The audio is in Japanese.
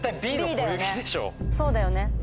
そうだよね。